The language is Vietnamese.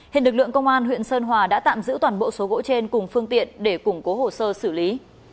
hiện lực lượng công an huyện sơn hòa đã tạm giữ toàn bộ số gỗ trên cùng phương tiện để củng cố hồ sơ xử lý